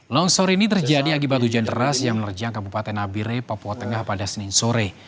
longsor ini terjadi akibat hujan deras yang menerjang kabupaten abire papua tengah pada senin sore